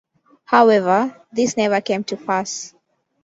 However, this never came to pass.